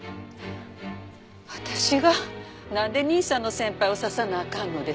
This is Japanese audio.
私がなんで兄さんの先輩を刺さなあかんのです？